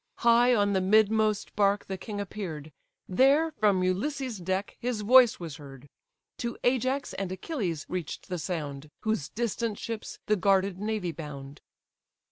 High on the midmost bark the king appear'd: There, from Ulysses' deck, his voice was heard: To Ajax and Achilles reach'd the sound, Whose distant ships the guarded navy bound.